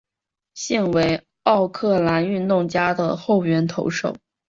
现为奥克兰运动家的后援投手。